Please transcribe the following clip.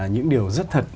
những điều rất thật